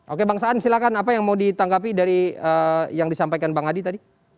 oke bang saan silahkan apa yang mau ditanggapi dari yang disampaikan bang adi tadi